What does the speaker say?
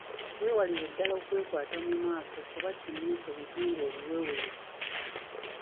Weewalire ddala okwekwata mu maaso kubanga kimu ku bitundu ebiweweevu.